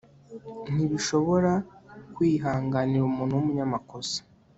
Ntibishobora kwihanganira umuntu wumunyamakosa